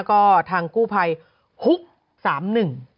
ก็ทางกู้ภัยฮุกสามหนึ่ง